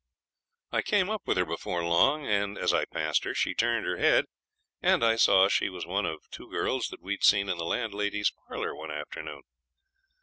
I came up with her before long, and as I passed her she turned her head and I saw she was one of two girls that we had seen in the landlady's parlour one afternoon.